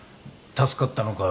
助かったのか？